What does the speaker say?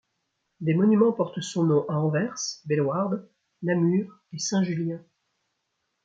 Des monuments portent son nom à Anvers, Bellewaarde, Namur et Saint-Julien.